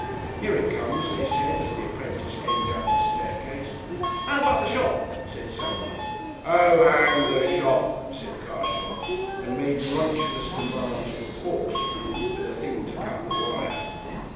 "Here it comes!" they said as the apprentice came down the staircase. "How about the shop?" said someone. "Oh! hang the shop!" said Carshot and made gruntulous demands for a corkscrew with a thing to cut the wire.